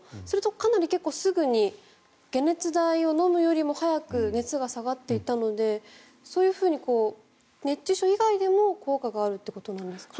かなりすぐに解熱剤を飲むよりも早く熱が下がっていったのでそういうふうに熱中症以外でも効果があるということなんですか？